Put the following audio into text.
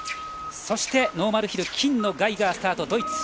そして、ノーマルヒル金のガイガー、スタート。